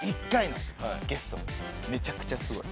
めちゃくちゃすごい。